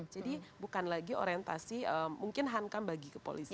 jadi bukan lagi orientasi mungkin hankam bagi kepolisian